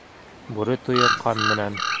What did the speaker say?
Бүре туйы ҡан менән.